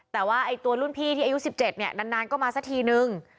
แต่ว่ารุ่นพี่ที่อายุ๑๗นานก็มาซักทีหนึ่ง